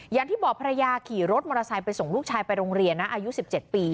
อย่างที่บอกภรรยาขี่รถมอเตอร์ไซค์ไปส่งลูกชายไปโรงเรียนนะอายุ๑๗ปี